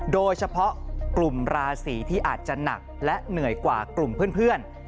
โดยเฉพาะกลุ่มราศีที่อาจจะหนักและเหนื่อยกว่ากลุ่มเพื่อน